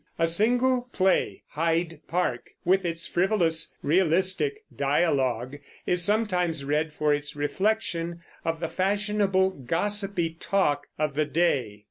A single play, Hyde Park, with its frivolous, realistic dialogue, is sometimes read for its reflection of the fashionable gossipy talk of the day.